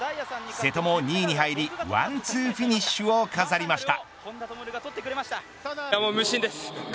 瀬戸も２位に入りワンツーフィニッシュを飾りました。